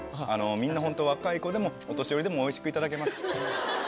みんなホント若い子でもお年寄りでもおいしくいただけます。